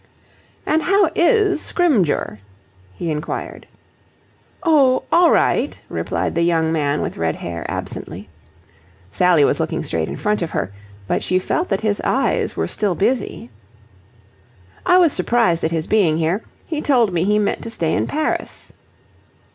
"And how is Scrymgeour?" he inquired. "Oh, all right," replied the young man with red hair absently. Sally was looking straight in front of her, but she felt that his eyes were still busy. "I was surprised at his being here. He told me he meant to stay in Paris."